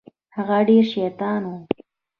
هغه ډېر شيطان و.